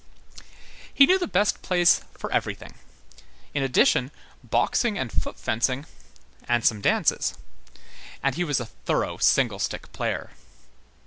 He knew the best place for everything; in addition, boxing and foot fencing and some dances; and he was a thorough single stick player.